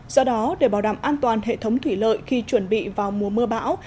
do đó để bảo đảm an toàn hệ thống thủy lợi khi chuẩn bị vào mùa mưa bão